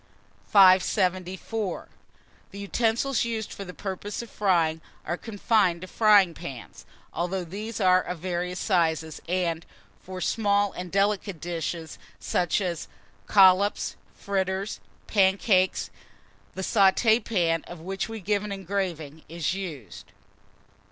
574. THE UTENSILS USED FOR THE PURPOSES OF FRYING are confined to frying pans, although these are of various sizes; and, for small and delicate dishes, such as collops, fritters, pancakes, &c., the sauté pan, of which we give an engraving, is used.